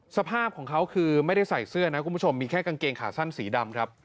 สภาพของเขาคือไม่ได้ใส่เสื้อนะคุณผู้ชมมีแค่กางเกงขาสั้นสีดำครับ